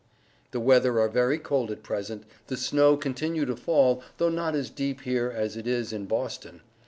The weather are very cold at Present, the snow continue to fall though not as deep here as it is in Boston.